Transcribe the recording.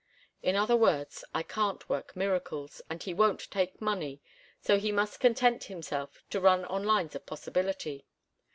In other words, I can't work miracles, and he won't take money, so he must content himself to run on lines of possibility.